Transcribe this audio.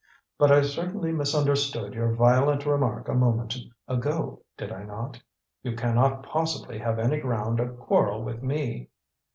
But I certainly misunderstood your violent remark a moment ago, did I not? You can not possibly have any ground of quarrel with me."